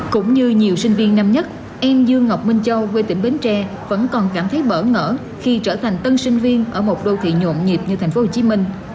cũng như nhiều sinh viên năm nhất em dương ngọc minh châu quê tỉnh bến tre vẫn còn cảm thấy bỡ ngỡ khi trở thành tân sinh viên ở một đô thị nhộn nhịp như thành phố hồ chí minh